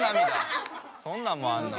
そんなんもあんの？